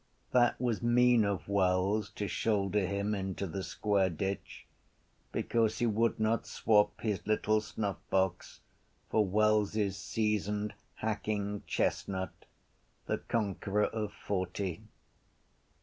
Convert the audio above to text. That was mean of Wells to shoulder him into the square ditch because he would not swop his little snuffbox for Wells’s seasoned hacking chestnut, the conqueror of forty.